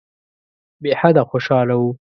بېحده خوشاله وو.